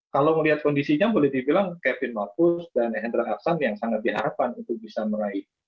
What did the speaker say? kalau melihat kondisinya boleh dibilang kevin marcus dan hendra aksan yang sangat diharapkan untuk bisa meraih